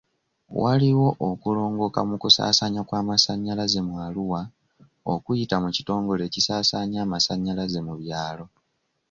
Waliwo okulongooka mu kusaasaanya kw'amasanyalaze mu Arua okuyita mu kitongore ekisasanya amasanyalaze mu byalo.